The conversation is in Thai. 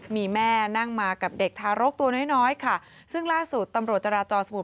มีแม่นั่งมากับเด็กทารกตัวน้อยน้อยค่ะซึ่งล่าสุดตำรวจจราจรสมุท